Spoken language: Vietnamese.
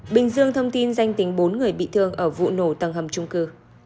bình dương thông tin danh tính bốn người bị thương ở vụ nổ tầng hầm trung cư